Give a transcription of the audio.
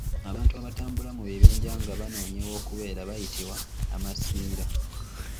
Abantu abatambula mu bibinja nga banoonya ew’okubeera bayitibwa Amasiira.